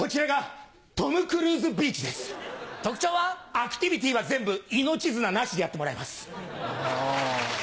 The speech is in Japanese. アクティビティは全部命綱なしでやってもらいます。